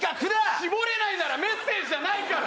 絞れないならメッセージじゃないから！